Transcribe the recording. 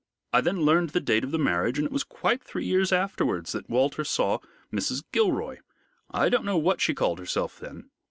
I then learned the date of the marriage and it was quite three years afterwards that Walter saw Mrs. Gilroy. I don't know what she called herself then.